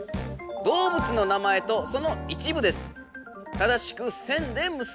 動物の名前とその一部です。